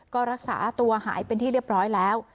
ก็รักษาตัวหายเป็นที่เรียบร้อยแล้ว